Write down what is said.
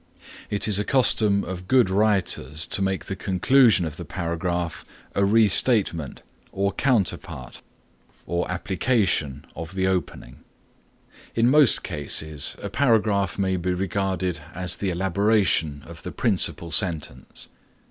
It is a custom of good writers to make the conclusion of the paragraph a restatement or counterpart or application of the opening. In most cases a paragraph may be regarded as the elaboration of the principal sentence.